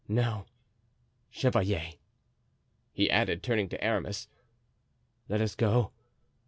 Now, chevalier," he added, turning to Aramis, "let us go.